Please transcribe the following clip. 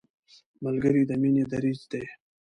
ملګری د مینې دریځ دی